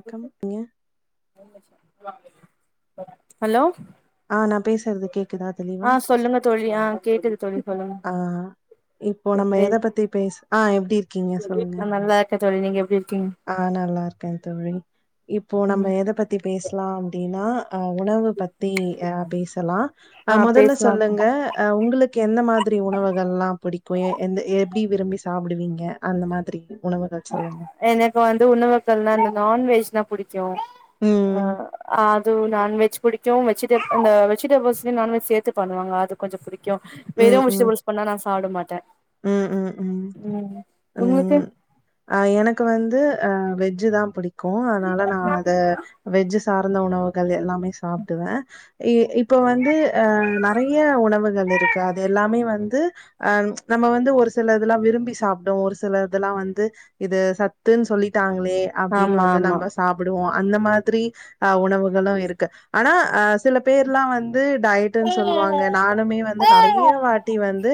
ணக்கம் ணே [inaudible] hello ஆ நா பேசுறது கேக்குதா தெளிவா ஆ சொல்லுங்க தோழி ஆ கேக்குது தோழி சொல்லுங்க ஆ இப்போ நம்ம எப்டி எத பத்தி பேச ஆ எப்டி இருக்கீங்க சொல்லுங்க க்க தோழி நீங்க எப்டி இருக்கீங்க ஆ நல்லாருக்கே தோழி இப்போ ம் நம்ம எத பத் பத்தி பேசலா அப்டின்னா அ உணவு பத்தி அ பேசலா ஆ முதல்ல பேசலா சொல்லுங்க உங்களுக் எந்த மாதிரி உணவுகள்லா பிடிக்கு எ எப்டி விரும்பி சாப்பிடுவீங்க அந்த மாதிரி உணவுகள் சொல்லுங்க எனக்கு வந்து உணவுகள்ல்னா இந்த நான்வெஜ்னா பிடிக்கு அ ம் அது நான்வெஜ் பிடிக்கு வெஜிடேப் இந்த வெஜிடபுஸ் நான்வெஜ் சேத்து பண்ணுவாங்க அது கொஞ்சோ புடிக்கு வெறு ம் ம் வெஜிடேபுள் பண்ணா நா சாப்பிட மாட்டே ம் ம் ம் உங்ளுக்கு ம் அ எனக்கு வந்து அ வெஜ் தா புடிக்கு அதனால நா அத வெஜ் சார்ந்த உணவுகள் எல்லாமே சாப்பிடுவே இ இப்போ வந்து அ நெறைய உணவுகள் இருக்கு அது எல்லாமே வந்து அ ச் நம்ம வந்து ஒரு சில இதெல்லா விரும்பி சாப்டுவோ ஒரு சில இதெல்லா வந்து இது சத்துன்னு சொல்லிட்டாங்களே அப்டின்னு ஆமா வந்து ஆமா நம்ம சாப்பிடுவோ அந்த மாதிரி ஆ உணவுகளு இருக்கு ஆனா ஆ சில பேர்லா வந்து து டயட்னு சொல்லுவாங்க நானுமே வந்து நறைய வாட்டி வந்து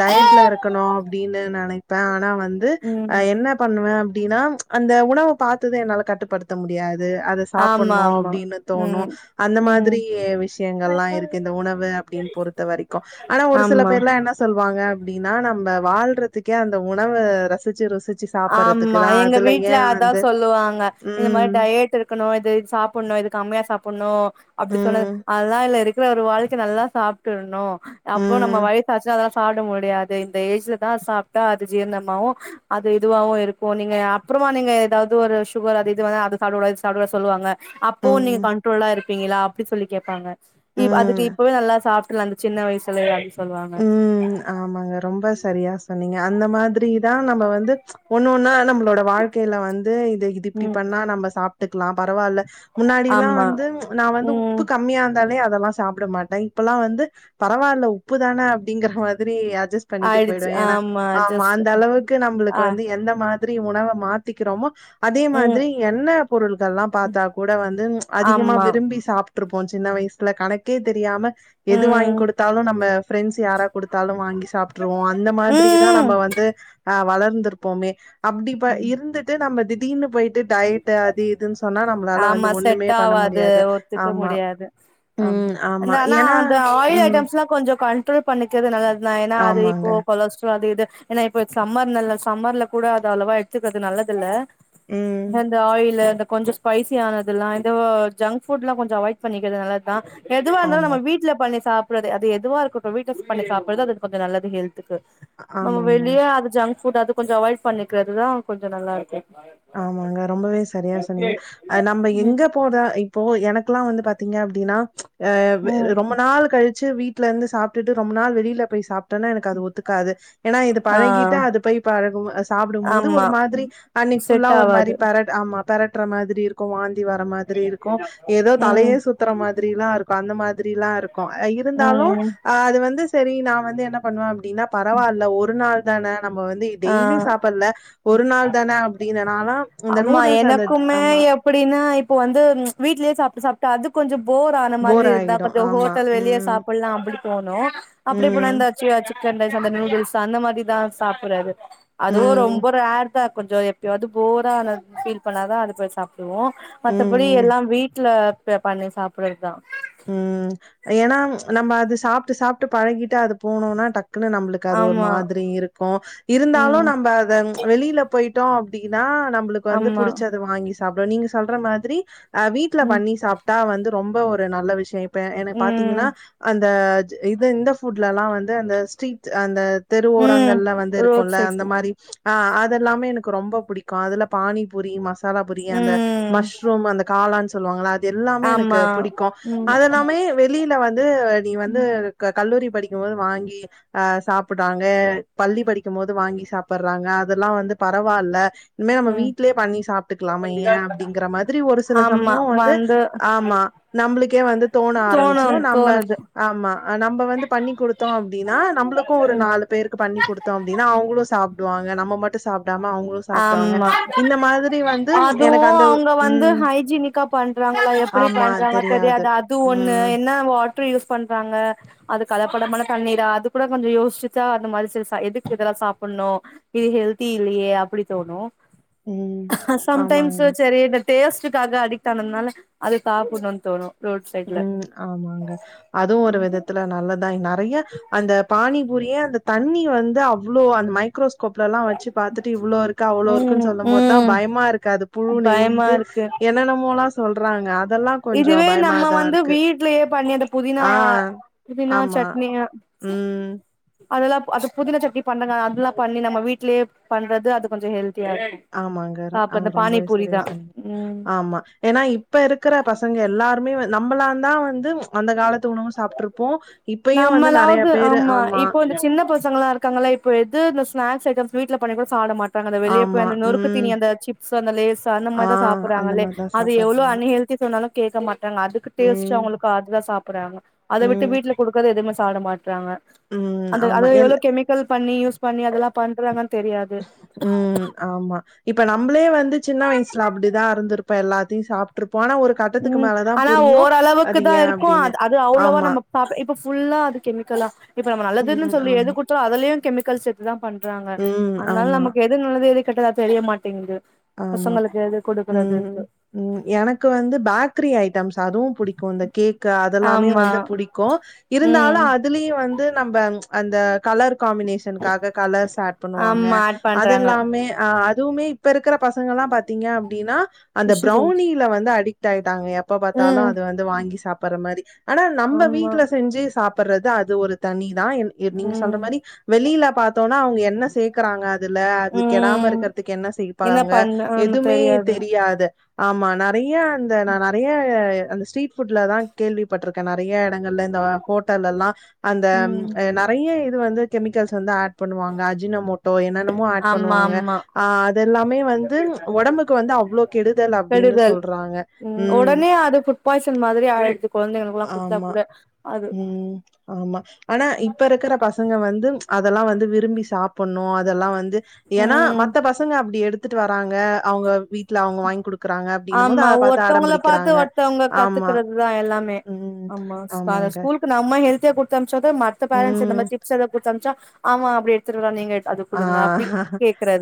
டயட் வீட்ல இருக்கணு அப்டின்னு நினைப்பே ஆனா வந்து ம் அ என்ன பண்ணுவே அப்டின்னா ச் அந்த உணவ பார்த்து என்னால கட்டுப்படுத்த முடியாது அத ஆமா சாப்பிடணு ஆமா அப்டின்னு தோணு ம் அந்த ம் மாதிரி விஷயங்கள்ல்லா இருக்கு இந்த உணவு அப்டின்னு பொறுத்த வரைக்கு ஆனா ஒரு சில ஆமா பேர்லா என்ன சொல்லுவாங்க அப்டின்னா நம்ம வாழ்றதுக்கே அந்த உணவ ரசிச்சு ருசிச் ஆமா எங்க வீட்ல அதா சொல்லுவாங்க இந்த மாதிரி ம் டயட் இருக் ம் இது சாப்பிடணு இதுக்கு கம்மியா சாப்பிடணு அப்டி சொன்ன ம் அதுதெல்லா இல்ல இருக் இரு ஒரு வாழ்க்க நல்லா சாப்ட்டீர்னு அப்றோ நம்ம ம் வயசாச்சுனா அதலா சாப்பிட முடியாது இந்த ஏஜ்ல தா சாப்ட்டா அது ஜீர்ணமாவு இதுவாவும் இருக்கும் நீங்க அப்புறமா நீங்க ஏதாவ்து ஒரு சுகர் அது இதுவ வந்து அத சாப்ட கூடாது சாப்ட சொல்லுவாங்க அப்போ நீங்க ம் கண்ட்ரோல்லா இருப்பீங்களா அப்டி சொல்லி கேப்பாங்க அதுக்கு ம் இப்பவே நல்லா சாப் இல்ல அந்த சின்ன வயசுல எ அப்டி சொல்லுவாங்க ம் ஆமாங்க ரொம்ப சரியா சொன்னீங்க அந்த மாதிரி தா நம்ம வந்து ச் ஒண்ணு ஒன்னா நம்மளோட வாழ்க்கையில வந்து இது இ இது இப்டி ம் பண்ணா நம்ம சாப்ட்டுக்கலாம் பரவால்ல முன்னாடியெல்லாம் ஆமா வந்து நா வந்து ம் உப்பு கம்மியா இருந்தாலே அதெல்லாம் சாப்ட மாட்டே இப்பெல்லா வந்து பரவால்ல உப்பு தான அப்டிங்கற மாதிரி அஜெஸ் பண்ணிட்டு ஆயிடுச்சு போயிடுவோ ஏன்னா ஆமா ஜஸ்ட் அந்த அளவுக்கு நம்மளுக்கு ஆ வந்து எந்த மாரி மாதிரி உணவ மாத்திக்கிறோமோ அதே ம் மாதிரி எண்ணெ பொருள்கள்லா பாத்தா கூட வந்து ச் அதிகமா ஆமா விரும்பி சாப் விட்டுருப்போ சின்ன வயசுல கணக்கே தெரியாம எது வாங்கி ம் கொடுத்தாலு நம்ம ப்ரெண்ட்ஸ் யாரா கொடுத்தாலு வாங்கி சாப்பிட்டுருவோ அந்த ம் மாதிரிதா நம்ம ம் வந்து ஆ வளர்ந்திருப்போமே அப்டி இருந்துட்டு நம்ம திடீர்னு போயிட்டு டயட் அது இதுன்னு சொ சொன்னா நம்மளால வந்து ஆமா ஒண்ணுமே செட் பண்ண ஆவாது முடியாது ஆமா ம் ஆ அ ஆனா அந்த ஆயில் ஐட்டம்ஸ் எல்லா கொஞ்சோ கண்ட்ரோல் பண்ணிக்கிறது நல்லதுதா ஏன்னா அது இப்போ ஆமாங்க கொலஸ்ட்ரால் அது இது ஏன்னா இப்ப சம்மர் நல்ல சம்மர்ல கூட அது அவ்ளவா எடுத்துக்குறது நல்லது இல்ல ம் அந்த ஆயில் அந்த கொஞ்சோ ஸ்பைசி ஆனதுதெல்லா இது ஜங்க் ஃபுட்லா கொஞ்சோ அவாய்ட் பண்ணிக்கிறது நல்லது தா எதுவா இருந்தாலு ஆமா நம்ம வீட்ல பண்ணி சாப் அது எதுவா இருக்கட்டு வீட்டல பண்ணி சாப்பிடுறது அது கொஞ்சோ நல்லது ஹெல்த்துக்கு நம்ம ஆமாங்க வெளியே அது ஜங்க் ஃபுட் அது கொஞ்சோ அவாய்ட் பண்ணிக்கிறதுதா கொஞ்சோ நல்லா இருக்கு ஆமாங்க ரொம்பவே சரியா சொன்னீங்க நம்ம எங்க இப்பபோதா இப்போ எனக்குல்லா வந்து பாத்தீங்க அப்படின்னா ச் ஆ ம் ரொம்ப நாள் கழிச் பஸ்ட் வீட்ல இருந்து சாப்டுட்டு ரொம்ப நாள் வெளில போய் சாப்பிட்டேனா எனக்கு அது ஒத்துக்காது ஏனா இது ஆ பழகிட்ட அது போய் பழகு சாப்பிடும் போது ஆமா ஒரு மாதிரி அன்னைக்கு ஃபுல்லா செட் ஒரு மாரி ஆவாது பெராட ஆமா பெரட்டுற மாதிரி இருக்கும் வாந்தி வர மாதிரி இருக்கும் ஏதோ ம் தலையே சுத் த்து மாதிரி எல்லாம் இருக்கு அந்த மாதிரி எல்லாம் இருக்கும் இருந்தாலும் ம் அது வந்து செரி நான் வந்து என்ன பண்ணுவ அப்டின்னா பரவாயில்ல ஒரு நாள் தானே நம்ம வந்து ஆ டெய்லி சாப்பிடல ஒரு நாள் தானே ஆமா எனக்குமே ஆமா எ எப்டின்னா இப்ப வந்து வீட்லயே சாப்ட்டு சாப்ட்டு அது கொஞ்ச போர் அந்ல மாதிரி போர் இருந்தா ஆயிடு கொஞ்ச ஆமா ஹோட்டல் வெளியே ம் சாப்பிட்லாம் அப்டி போனோ அப்டி போனா ம் இந்த சிக்கன் ரைஸ் அந்த நூடுல்ஸ் அந்த மாதிரிதான் சாப்டடுறது அதுவும் ம் ரொம்ப ரார் தான் கொஞ்ச எப்பயா போரா ஃபீல் பண்ணாதான் அது போய் சாப் ஒ ம். மத்தபடி ம். எல்லாம் வீட்ல பண்ணி சாப்பிடுறதுதா ம் ஏனா நம்ம அது சாப்ட்டு சாப்ட்டு பழகிட்டு அது போனோம்னா டக்குன்னு நம்மளுக்கு அது ஒரு ஆமா மாதிரி இருக்கும் இருந்தாலும் ம் நம்ம அத வெளில போயிட்டோம் அப்டின்னா நம்மளுக்கு வந்து ஆமா புடிச்சது வாங்கி சாப்பிட நீங்க சொல்ற மாதிரி வீ்ட்ல ம் பண்ணி சாப்ப [unintelligible] வந்து ரொம்ப ஒரு நல்ல விஷயம் இப்ப என்னைய பாத்தீங்கன்னா ம் அந்த இது இந்த ஃபுட்லல்லாம் வந்து அந்த ஸ்ட்ரீட் அந்த தெரு ம் ஓரங்கள்ல வந்து ரோட் இருக்கும்ல சைட் அந்த மாரி ஆ அதுல்லாமே எனக்கு ரொம்ப புடிக்கும் அதுல பானிபூரி மச மாலா புரி அந்த ம் மஷ்ரூம் அந்த காளான்னு சொல்லுவாங்களா அது எல்லாமே எனக்கு ஆமா புடிக்கும் ம் அத எல்லாமே யே வெளில வந்து நீ வந்து கல்லூரி படிக்கும்போது வாங்கி அ சாப்படுறாங்க பள்ளி படிக்கும் போது வாங்கி சாப்படுறாங்க அதெல்லாம் வந்து பரவால இனிமே நம்ம ம் வீட்லயே பண்ணி சாப்பிட்டுக்கலாம ஏன் அப்டிங்கிற மாதிரி ஒரு சில சமயம் வந்து ஆமா நம்மளுக்கே வந்து தோண தோணு ஆரம்பிச்சிரும் நம்ம தோணுது ஆமா நம்ம வந்து பண்ணி கொடுத்தோம் அப்டின்னா நம்மளுக்கும் ஒரு ம் நா [unintelligible] பேருக்கு பண்ணி கொடுத்தோம் அப்டின்னா அவங்களும் சாப்டுவாங்க நம்ம மட்டும் சாப்டாம அவங்களும் சாப்டுவாங்க. ஆமா இந்த மாதிரி வந்து எனக்கு அதுவும் அந்த அவுங்க வந்து ம். ஹைஜனிக்கா பண்றாங்களா எப்டி ஆமா பண்றா க தெரியாது. தெரியாதா அது ஒண்ணு ம். என்ன வாட்டரு யூஸ் பண்றாங்க அது கலபடமல தண்ணீரா அது கூட கொஞ்சம் யோசிச்சா அந்த மாதிரி செரி எதுக்கு இதெல்லாம் சாப்டணும் இது ஹெல்தி இல்லையே அப்டி தோணு ம். சம்டைம்ஸ் ஆமாங்க. சேரி டேஸ்ட்டுக்காக அடிக்ட் ஆனதுனால அது சாப்பட்ணு தோணு ரோட் சைட்ல ம் ஆமாங்க அதுவு ஒரு விதத்துல நல்லத்தா நர ய அந்த பானிபுரிய அந்த தண்ணி வந்து அவ்ளோ அந்த மைக்ரோஸ் கோப்ல எல்லா வச்சு பாத்துட்டு இவ்ளோ இருக்கு அவ்ளோ இருக்குன்னு ம் சொல்லம் போதுதா ம் பயமா இருக்குது புழு பயமா நெலியுது இருக்கு என்னெனமோல்லா சொல்றாங்க அதெல்லா இதுவே நம்ம வந்து வீட்லயே பண்ணி அந்த புதினா ஆ. புதினா ஆமா. சட்னி ம். அதெல்லா அது புதினா சட்னி பண்ணுன அதுல்லா பண்ணி நம்ம வீட்லயே பண்றது அது கொஞ்சொ ஹெல்தியா இருக்கு ஆமா அங்கற அவ்ங்க சாப்பட்றது ரொம்பவே சரியா பானிபூரிதா சொன்னீங்க ம் ஆமா ஏன்னா இப்ப இருக்குற பசங்க எல்லாருமே நம்மளாந் தா வந்து அந்த காலத்து உணவு சாப்ருப்போ நம்மலாவ்து ஆமா இப்போ சின்ன பசங்களா இருக்காங்கள இப்ப எது இந்த ஸ்நாக்ஸ் ஐட்டம்ஸ் வீட்ல பண்ணி கொட சாப்ட மாட் [unintelligible] வெளிய போயி ஆமா. அந்த நொறுக்கு ம். தீணி அந்த சிப்ஸ்சு அந்த லேஸ்சு அந்த ஆ மாரி தா அந்த சாப்றாங்களே மாரிதான் அது எவ்ளோ சாப்பட்றாங்க. அன்ஹெல்த் [unintelligible] சொன்னாலு கேக்க மாட்றாங்க அதுக்கு டேஸ்சு ம், அவங்களுக்கு அதுதா சாப்டுறாங்க அத விட்டு ம், வீட்ல குடுக்கற எதுவுமே சாப்ட மாட்றாங்க ம். அந்த ஆமா. அதது எல் எவ்ள கெமிக்கல் பண்ணி யூஸ் பண்ணி அதெல்லா பண்றாங்கன்னு தெரியாது ம். ஆமா இப்ப நம்பளே வந்து சின்ன வயசுல அப்டிதா இருந்துருப்போ எல்லாத்தையு சாப்ட்ருப்போ ஆனா ஒரு கட்டத்துக்கு ம் மேல தான் ஆனா புரியும். ஓரளவுக்கு அது தா ஏன் இருக்கு அப்டின்னு. அது அவ்ளவா ஆமா. நம்மக் சாப்ப இப்ப ஃபுல்லா அது கெமிக்கலா இப்ப நம்ம நல்லதுன்னு ம். சொல்லி எது ஆமா. குடுத்தோ அதலயு கெமிக்கல்ஸ் சேத் இதுதா பண்றாங்க ம். அதனால ஆமா, நமக்கு எது நல்லது எது கெட்டது தெரிய மாட்டேங்குது ஆமா. பசங்களுக்கு எது ம். குடுக்குறதுன்ட்டு ம் எனக்கு வந்து பேக்கரி ஐ ட்டம்ஸ் அதுவும் புடிக்கு இந்த கேக்கு அதெல்லாமே ஆமா வந்து புடிக்கு இருந்தாலு ம் அ இதுலியு வந்து நம்ப அந்த கலர் காம்பினேஷனுக்காக கலர்ஸ் ஆட் பண்ணுவாங்க ஆமா ஆட் பண்றாங்க அதெல்லாமே அ அதுவுமே இப்ப இருக்கிற பசங்கெல்லா பாத்தீங்க அப்டின்னா அந்த விஷுவல் ப்ரௌனில வந்து அடிக்ட் ஆயிட்டாங்க எப்ப பாத்தாலு ம் அது வந் வாங்கி சாப்பற்ற மாரி ஆனா நம்ப ஆமா வீட்ல செஞ்சு சாப்பற்றது அது ஒரு தனிதா எ இத் நீங்க சொல்ற ம் மாரி வெளில பாத்தோம்னா அவங்க என்ன சேக்கறாங்க அதுல அது கெடாம ம் இருக்கறதுக்கு என்ன செ என்ன ப்பாங்க பண்ண ஆமா எதுமே தெரியாது தெரியாத ஆமா நெறைய இந்த நா நெறைய அந்த ஸ்ட்ரீட் ஃபுட்லதா கேள்விப்பட்டிருக்கே நெறைய எடங்கள்ல இந்த ஹோட்டல்லெல்லா அந்த ம் அ நா நெறைய இது வந்து கெமிக்கல்ஸ் வந்து ஆட் பண்ணுவாங்க அஜினமோட்டோ என்னென்னமோ ஆட் ஆமா பண்ணுவாங்க ஆமா ஆ எல்லாமே வந்து ஒடம்புக்கு வந்து அவளோ கெடுதல் அப்டின்னு கெடுதல் சொல்றாங்க ம் ம ஒடனே அது ஃபுட் பாய்சன் மாதிரி ஆயிடுது கொழந்தைங்களுக்குல்லா குடுத்தா ஆமா கூட அது ம் ஆமா ஆனா இப்ப ப்ப இருக்கிற பசங்க வந்து அதெல்லா வந்து விரும்பி சாப்பணு அதெல்லா வந்து ஏனா ம் மத்த பசங் அப்டி எடுத்துட்டு வராங்க அவங்க வீட்ல அவங்க வாங்கி குடுக் ஆமா ஒருத்தவங்கள பாத்த ஒருத்தவங்க ஆமா கத்துக்கிறதுதா எல்லாமே ம் ஆமா வேற ஆமாங்க ஸ்கூல் இப்ப நம்ம ஹெல்த்தியா குடுத்து அனுப்ச்சாதா மத்த பேரன்ட்ஸ் இந்த ம் மாரி சிப்ஸ் எதா குடுத்து அனுப்ச்சா அவா அப்டி எடுத்துட் வர்றா நீங்க எடு ஆ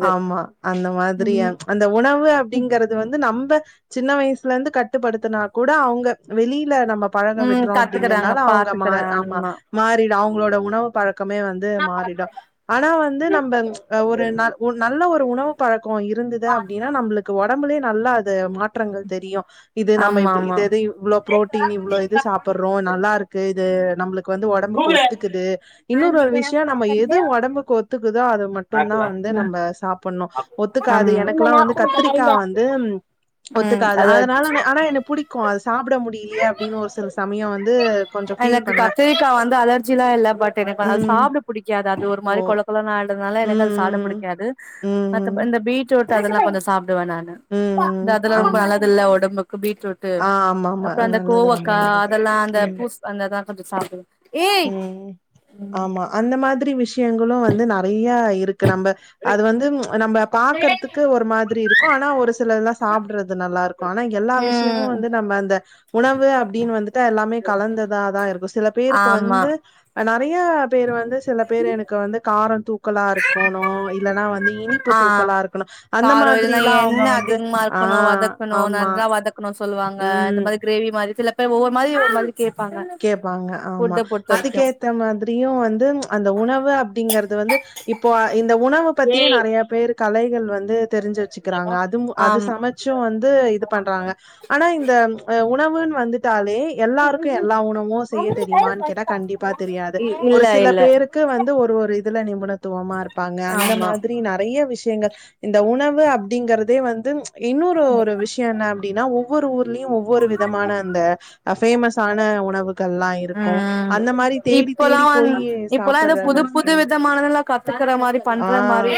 ஆமா அந்த மாதிரியா ம் அந் இந்த உணவு அப்படிங்கறது வந்து நம்ப சின்ன வயசுலந்து கட்டுப்படுத்துனா கூட அவுங்க வெளில நம்ம பழக ம் விடுறோ கத்துக்கறாங்க அப்டிங்கறனால அவங்க மா ஆமா பாத்துக்கறாங்க மாறிடு அவங்களோட உணவு பழக்கமே வந்து மாறிடு ஆனா வந் ம்ப அ ஒரு ந ஒரு நல்ல ஒரு உணவு பழக்கோ இருந்தது அப்டின்னா நம்பளுக்கு ஒடம்புலே நல்லா அது மாட் ற்றங்கள் தெரியு இது நம்ம ஆமா இல் ஆமா இதது இவ்வளோ ப்ரோட்டீன் இவ்ளோ இது சாப் ப்பறோ நல்லாருக்கு இது நம்மளுக் க்கு வந்து ஒடம்புக்கு ஒத்துக்குது இன்னொரு ஒரு விஷயோ நம்ம எது ஒடம்புக்கு ஒத்துக்குதோ அது மட் ட்டுந்தா வந்து ஆமா ம் நம்ப சாப்புடணு ஒத்துக்காது எனக்கெல்லா வந்து கத்திரிக்கா ஆமா வந்து ம் ஒத்துக்காது அது அதனால ஆனா எனக் புடிக்கு அது சாப்ட முடியலையே அப்டின்னு ஒரு சில சமயோ வந்து கொஞ்சோ ஃபீல் எனக்கு பண்ணுவே கத்திரிக்கா வந்து அலர்ஜில்லா இல்ல பட் எனக் வ அது ம் சாப்ட புடிக்காது அது ஒரு ஓ மாரி கொழக்கெழன் ஆய் அதனால எனக்கு அது சாப்ட ம் புடிக்காது ம் மத்தப ம் இந்த பீட்ரூட் அதெல்லா கொஞ்சொ சாப்டுவே நானு ம் இந்த ம் அதுலா ரொம்ப ஆம் நல்லதுல்ல ஒடம்புக்கு பீட்ரூட் டு ஆ ஆமாமா அப்புற அந்த நல்லது ரொம்ப கோவக்கா நல்லது அதெல்லா அந்த ம் பூஸ் அந்ததான் கொ்ச ச ஏய் ம் ம் ஆமா. அந்த மாதிரி விஷியங்களு வந்து நறையா இருக்கு நம்ப அது வந்து நம்ம பாக்கறதுக்கு ஒரு மாதிரி இருக்கு ஆனா ஒரு சிலதுல்லா சாப்புடுறது நல்லாருக் கு ஆனா எல்லா விஷயமு ம் வந்து நம்ம அந்த உணவு அப்டினு வந்துட்டா எல்லாமே கலந்ததாதா இருக்கு சில பேருக் ஆமா அ நெறைய பேரு வந்து சில பேர் எனக்கு வந்து காரோ தூக்கலா இருக்கோணு இல்லன்னா வந்து இனிப்பு ஆ தூக்கலா இருக்கணு அந்த காரோ இல்லன்னா மாதிரில்லா எண்ண அவங்க வந்து ஆ ஆமா க்கனு சொல்லுவாங்க இந்த ம். மாரி கிரேவி மாரி சில பேர் ஒவ்வொரு மாரி ஒரு மாதிரி கேப்பாங்க கேப்பாங்க ஆமா ஃபுட்ட பொறுத்த வரைக்கு அதுக்கே த்த மாதிரியு வந்து அந்த உணவு அப்படிங்கறது வந்து இப்போ இந்த உணவு பத்தியே நெறைய பேர் கலைகள் வந்து தெரிஞ்சிரு வெச்சுக்கிறாங்க அதும் அது ஆம் சமச்சு வந்து இது பண்றாங்க ஆனா இந்த அ உணவுன்னு வந்துட்டாலே எல்லாருக்கு எ எல்லா உணவூ செய்ய தெரியுமான்னு கேட்டா கண்டிப்பா தெரியாது இ ஒரு இல்ல சில இல்ல பேருக்கு வந்து ஒரு ஒரு இதுல நிபுணத்துவமா இருப்பாங்க அந்த ஆமா மாதி ரி நறைய விஷயங்கள் இந்த உணவு அப்டிங்கறதே வந்து இன்னொரு ஒரு விஷ்யோ என்ன அப்டின்னா ஒவ்வொரு ஊர்லியு ஒவ்வொரு விதமான அந்த ஃபேமஸ் தான உணவுகள்லா இருக்கு ம் அந்த மாரி தேடி இப்பல்லா தேடி வந் போய் சாப்பர்ற ரெசிபி கத்துக்குற மாரி பண்ற மாரி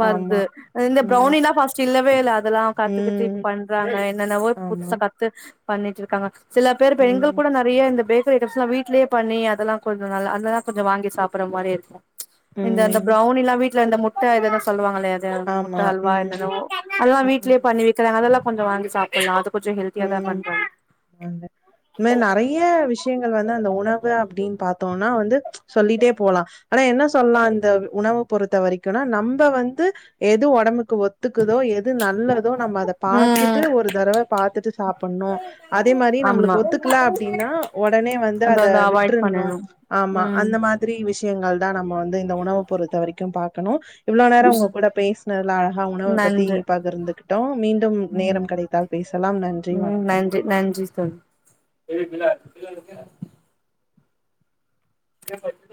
வருது ஆமா இந்த ம் ப்ரவுனி தலா பஸ்ட்டு இல்லவே இல்ல அதெல்லா கத்துக்கிட்டு இப்ப ம் பண்றாங்க என்னன்னவொ ஆமா புதுசா கத் து பண்ணிட்ருக்காங்க சில பேர் பெண்கள் ம் கூட நறைய இந்த பெ கிரி ஐட்டம்ஸ்லா வீட்லயே பண்ணி அதெல்லா கொஞ்ச நல்ல அதெல்லா கொஞ்ச வாங்கி சாப்புற மாரி இருக்கு இந்த அந்த ம் ப்ரவுனில்லா வீட்ல இருந்த முட்ட இதுன்னு சொல்லுவாங்களே ந்த முட்ட ஆமா அல்வா ம் என்னதோ அதல்லா விக் ம் க்கிறாங்க அதெல்லா கொஞ்ச வாங்கி சாப்புல்லா அது கொஞ்ச ஹெல்தியாதா பண்றாங்க வந்து இது மாரி நறைய விஷயங்கள் வந்து அந்த உணவு அப்டின்னு பாத்தோன்னா வந்து சொல்லிட்டே போலா ஆனா என்ன சொல்லா அந்த உணவு பொருத் த வரைக்குனா நம்ப வந்து எது ஒடம்புக்கு ஒத் துக்குதோ எது நல்லதோ நம்ம அத பாத்துட்டு ம் ஒரு தடவ பாத்துட்டு சாப்புணு அதே மாரி ஆமா நம்மளுக்கு ஒத்துக்ல அப்டின்னா ஒடனே வந்து அத விட்ரணு ஆமா ம் அந்த மாதிரி விஷயங்கள்தா நம்ம வந்து இந்த உணவு பொறுத்த வரைக்கு பாக்கணு இவ்ளோ நேரம் உங்க ம் கூட பேசினதுல அழகா உணவ பத்தி நன்று பகிருந்துகிட்டோ மீண்டும் ம் நேரம் கிடைத்தால் பேசலாம் நன்றி ம் வணக்கம் நன்றி ம் [unintelligible]